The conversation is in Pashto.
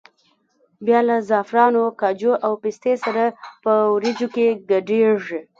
بیا له زعفرانو، کاجو او پستې سره په وریجو کې ګډېږي.